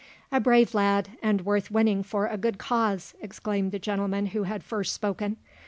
"A brave lad, and worth winning for a good cause!" exclaimed the gentleman who had first spoken.